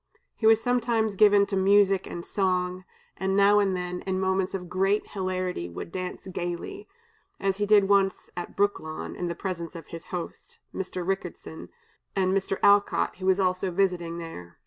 He was sometimes given to music and song, and now and then, in moments of great hilarity, would dance gayly, as he did once at Brooklawn, in the presence of his host, Mr. Ricketson, and Mr. Alcott, who was also visiting there.